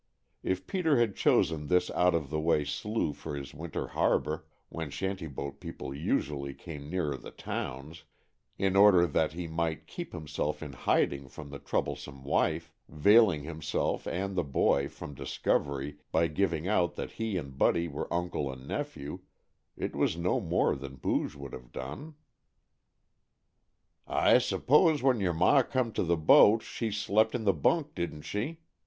If Peter had chosen this out of the way slough for his winter harbor when shanty boat people usually came nearer the towns in order that he might keep himself in hiding from the troublesome wife, veiling himself and the boy from discovery by giving out that he and Buddy were uncle and nephew, it was no more than Booge would have done. "I suppose, when your ma come to the boat, she slept in the bunk, didn't she?"